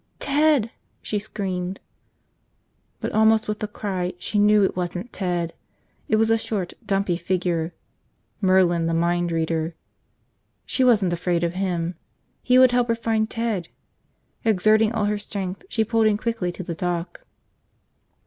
"Ted!" she screamed. But almost with the cry, she knew it wasn't Ted. It was a short, dumpy figure ... Merlin, the mind reader. She wasn't afraid of him. He would help her find Ted. Exerting all her strength, she pulled in quickly to the dock.